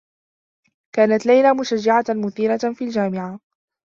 كانت ليلى مشجّعة مثيرة في الجامعة.